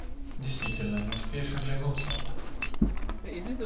Действительно, не успеешь оглянуться